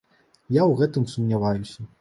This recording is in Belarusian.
Я ў гэтым сумняваюся.